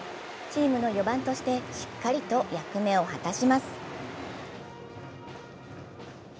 チームの４番として、しっかりと役目を果たします。